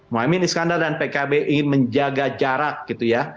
mohamid iskandar dan pkb ingin menjaga jarak gitu ya